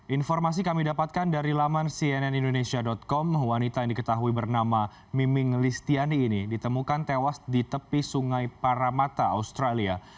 informasi kami dapatkan dari laman cnnindonesia com wanita yang diketahui bernama miming listiani ini ditemukan tewas di tepi sungai paramata australia